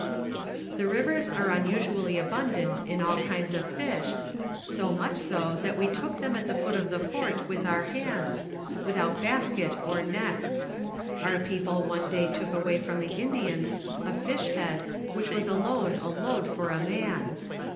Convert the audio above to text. The rivers are unusually abundant in all kinds of fish, so much so that we took them at the foot of the fort with our hands, without basket or net. Our people one day took away from the Indians a fish head which was alone a load for a man.